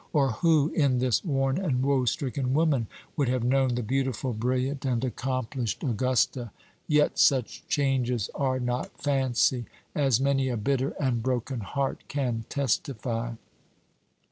or who, in this worn and woe stricken woman, would have known the beautiful, brilliant, and accomplished Augusta? Yet such changes are not fancy, as many a bitter and broken heart can testify.